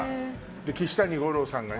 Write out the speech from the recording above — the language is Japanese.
岸谷五朗さんが。